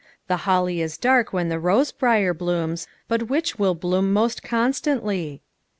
The holly is dark when the rose briar blooms, But which will bloom most constantly?